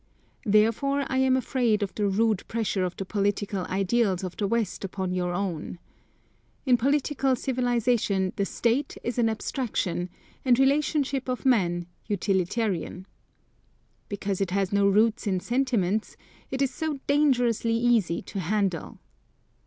Therefore I am afraid of the rude pressure of the political ideals of the West upon your own. In political civilisation, the state is an abstraction and relationship of men utilitarian. Because it has no roots in sentiments, it is so dangerously easy to handle.